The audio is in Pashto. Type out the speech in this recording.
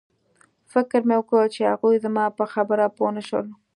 فکر مې وکړ چې هغوی زما په خبره پوه نشول